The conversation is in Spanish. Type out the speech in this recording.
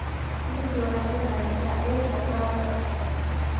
Es equivalente a la letra Ее del actual alfabeto.